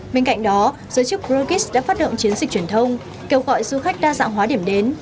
bên cạnh đó giới chức brugis đã phát động chiến dịch truyền thông kêu gọi du khách đa dạng hóa điểm đến